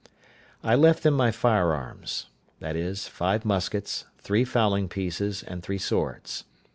I left them my firearms—viz. five muskets, three fowling pieces, and three swords.